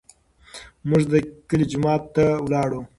موږ د کلي جومات ته لاړو.